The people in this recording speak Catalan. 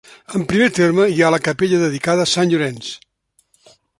En primer terme hi ha la capella dedicada a Sant Llorenç.